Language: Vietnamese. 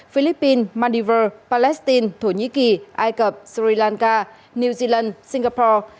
philippines maldiver palestine thổ nhĩ kỳ ai cập sri lanka new zealand singapore